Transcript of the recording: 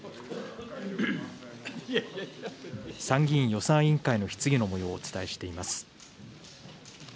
参議院予算委員会の質疑のもようをお伝えしています。